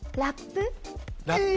ラップ？